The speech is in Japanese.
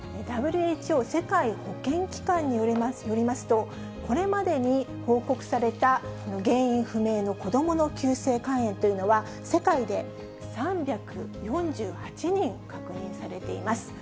ＷＨＯ・世界保健機関によりますと、これまでに報告された原因不明の子どもの急性肝炎というのは、世界で３４８人確認されています。